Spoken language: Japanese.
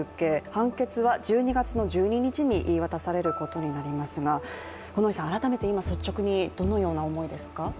判決は１２月１２日に言い渡されることになりますが、改めて、今、率直にどのような思いですか？